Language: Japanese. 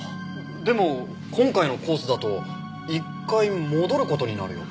でも今回のコースだと１回戻る事になるよ。